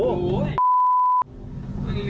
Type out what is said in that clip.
โอ้โห